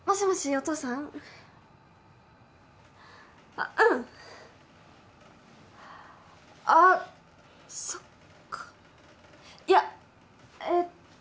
お父さんあっうんあっそっかいやえっと